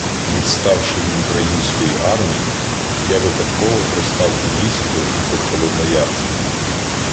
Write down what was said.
Відставши від української армії, я випадково пристав у лісі до групи холодноярців.